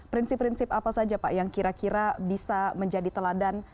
prinsip prinsip apa saja pak yang kira kira bisa menjadi teladan